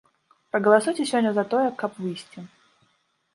Прагаласуйце сёння за тое, каб выйсці.